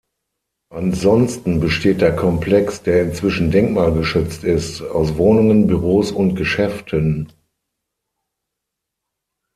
Ansonsten besteht der Komplex, der inzwischen denkmalgeschützt ist, aus Wohnungen, Büros und Geschäften.